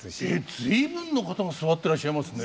随分の方が座ってらっしゃいますね。